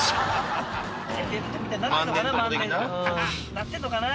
なってんのかな？